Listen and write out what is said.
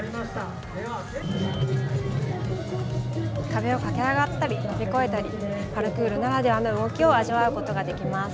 壁を駆け上がったり飛び越えたりパルクールならではの動きを味わうことができます。